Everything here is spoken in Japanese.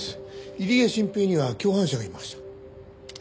入江慎平には共犯者がいました。